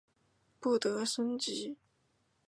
不得升级。